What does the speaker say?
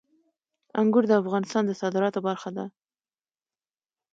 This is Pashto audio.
انګور د افغانستان د صادراتو برخه ده.